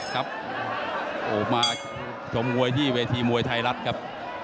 ครับโอ้โหมาชมมวยที่เวทีมวยไทยรัฐครับ